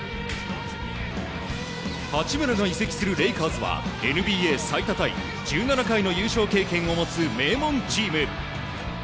八村が移籍するレイカーズはＮＢＡ最多タイ１７回の優勝経験を持つ名門チーム。